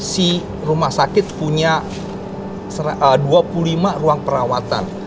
si rumah sakit punya dua puluh lima ruang perawatan